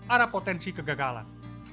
ada potensi kegagalan